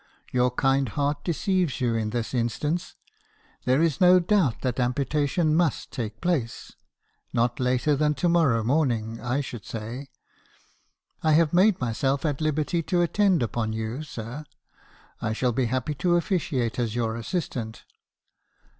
Your kind heart deceives you in this instance. There is no doubt that amputation must take place — not later than to morrow morning, I should say. I have made myself at liberty to attend upon you, sir; I shall be happy to officiate as your assistant.